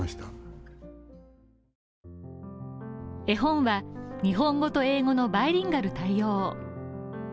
絵本は日本語と英語のバイリンガル対応。